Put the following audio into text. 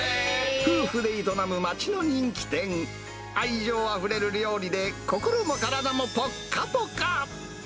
夫婦で営む街の人気店、愛情あふれる料理で、心も体もぽっかぽか。